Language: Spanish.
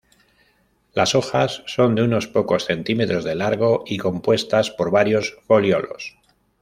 Las hojas son de unos pocos centímetros de largo y compuestas por varios foliolos.